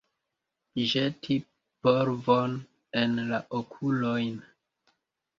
Ĵeti polvon en la okulojn.